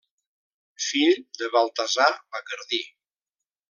Fill de Baltasar Bacardí.